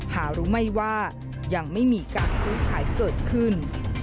หารู้ไหมว่ายังไม่มีการซื้อขายเกิดขึ้น